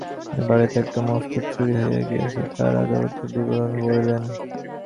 হরেকৃষ্ণের বাড়িতে একটা মস্ত চুরি হইয়া গিয়াছে, তাহার আদ্যোপান্ত বিবরণ বলিলেন।